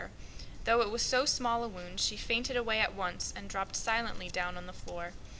Though it was so small a wound, she fainted away at once and dropped on the floor.